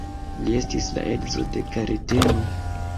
Li estis la edzo de Kareteno.